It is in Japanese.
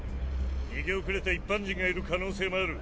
逃げ遅れた一般人がいる可能性もある。